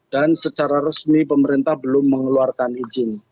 dan secara resmi pemerintah belum mengeluarkan izin